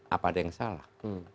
apa ada yang salah